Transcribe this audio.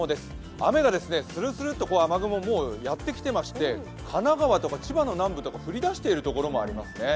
雨がするするっともう雨雲がやってきていまして神奈川とか千葉の南部とか降り出しているところもあります。